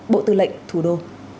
bộ tư lệnh thủ đô